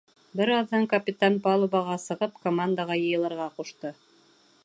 Бер аҙҙан капитан, палубаға сығып, командаға йыйылырға ҡушты: